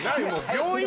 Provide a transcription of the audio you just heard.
病院？